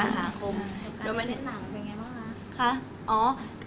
โดยมันเป็นหนังเป็นยังไงบ้างคะ